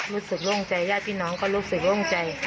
โล่งใจญาติพี่น้องก็รู้สึกโล่งใจ